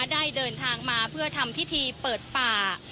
ได้เดินทางมาเพื่อทำพิธีเปิดป่า